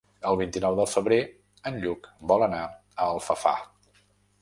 El vint-i-nou de febrer en Lluc vol anar a Alfafar.